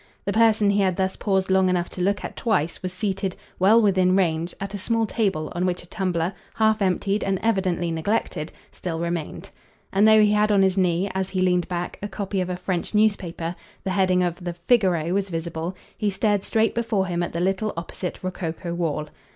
The person he had thus paused long enough to look at twice was seated, well within range, at a small table on which a tumbler, half emptied and evidently neglected, still remained; and though he had on his knee, as he leaned back, a copy of a French newspaper the heading of the Figaro was visible he stared straight before him at the little opposite rococo wall.